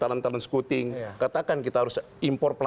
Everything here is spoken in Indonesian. berangkat pak tony